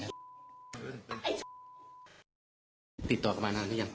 น้าสาวของน้าผู้ต้องหาเป็นยังไงไปดูนะครับ